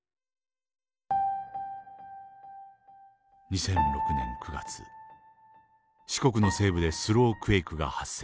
２００６年９月四国の西部でスロークエイクが発生。